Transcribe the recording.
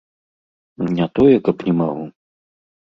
Не тое, каб не магу.